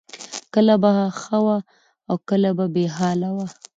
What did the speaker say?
کله به ښه وه او کله به بې حاله وه